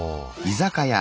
居酒屋。